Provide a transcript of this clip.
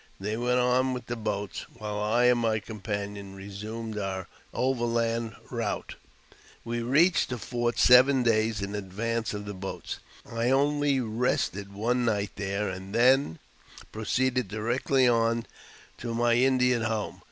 They we: on with the boats, while I and my companion resumed o *' over land route." We reached the fort several days in advance of the boats. I only rested one night there, and then proceeded directly on to my Indian home.